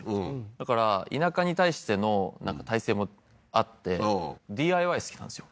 だから田舎に対しての耐性もあってＤＩＹ好きなんですよ